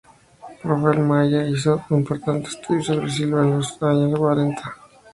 Rafael Maya hizo un importante estudio sobre Silva en los años cuarenta.